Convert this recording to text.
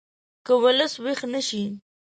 که ولس ویښ نه شي